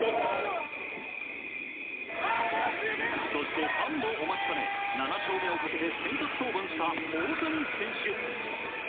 そしてファンもお待ちかね７勝目をかけて先発登板した大谷選手。